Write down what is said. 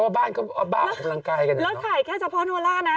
พ่อบ้านก็บ้าออกกำลังกายกันเนอะแล้วถ่ายแค่จากพ่อโนร่านะ